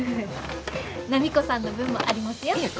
波子さんの分もありますよ。